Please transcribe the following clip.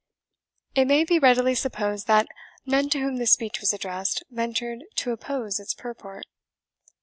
It may be readily supposed that none to whom this speech was addressed ventured to oppose its purport.